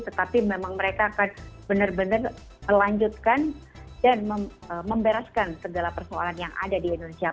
tetapi memang mereka akan benar benar melanjutkan dan membereskan segala persoalan yang ada di indonesia